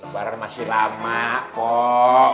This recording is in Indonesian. lebaran masih lama kok